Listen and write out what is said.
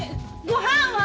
ごはんは？